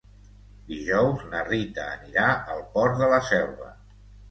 Dijous na Rita anirà al Port de la Selva.